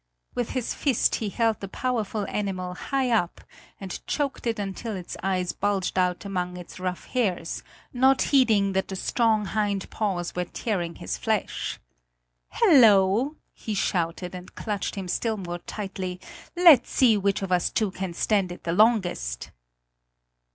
With his fist he held the powerful animal high up and choked it until its eyes bulged out among its rough hairs, not heeding that the strong hind paws were tearing his flesh. "Hello!" he shouted, and clutched him still more tightly; "let's see which of us two can stand it the longest!"